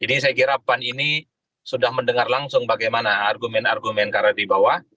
jadi saya kira pan ini sudah mendengar langsung bagaimana argumen argumen karena di bawah